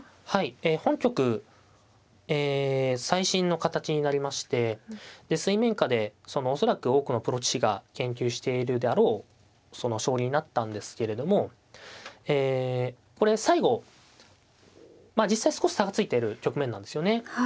はい本局最新の形になりましてで水面下で恐らく多くのプロ棋士が研究しているであろう将棋になったんですけれどもえこれ最後まあ実際少し差がついてる局面なんですよね。